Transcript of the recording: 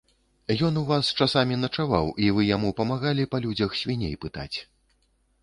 Ён у вас часамі начаваў і вы яму памагалі па людзях свіней пытаць.